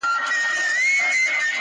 سل توپکه به په یو کتاب سودا کړو,